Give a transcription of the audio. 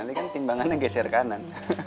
ini kan timbangannya geser kanan